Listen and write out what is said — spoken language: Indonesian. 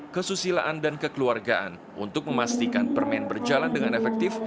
kesusilaan dan kekeluargaan untuk memastikan permen berjalan dengan efektif